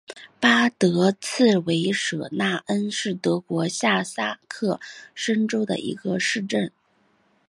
巴德茨维舍纳恩是德国下萨克森州的一个市镇。